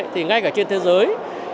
thì ngay cả trên thế giới